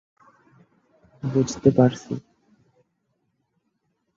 বুঝতে পারছি।